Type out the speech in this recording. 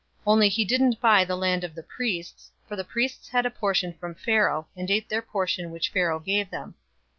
047:022 Only he didn't buy the land of the priests, for the priests had a portion from Pharaoh, and ate their portion which Pharaoh gave them.